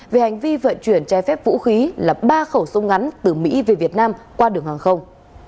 về hành vi vận chuyển trái phép vũ khí là ba khẩu súng ngắn từ mỹ về việt nam qua đường hàng không